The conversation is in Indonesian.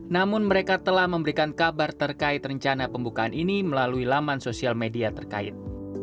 namun mereka telah memberikan kabar terkait rencana pembukaan ini melalui laman sosial media terkait